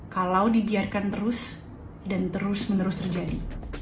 kalau dibiarkan terus dan terus menerus terjadi